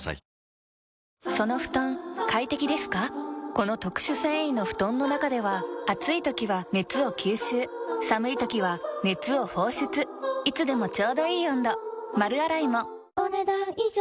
この特殊繊維の布団の中では暑い時は熱を吸収寒い時は熱を放出いつでもちょうどいい温度丸洗いもお、ねだん以上。